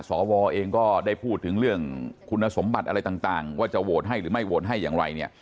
สวเองก็ได้พูดถึงเรื่องคุณสมบัติอะไรต่างว่าจะโหวตให้หรือไม่โหวตให้อย่างไรเนี่ย